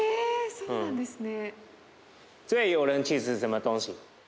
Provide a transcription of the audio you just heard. そうなんですね。